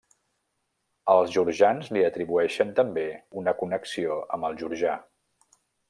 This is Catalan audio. Els georgians li atribueixen també una connexió amb el georgià.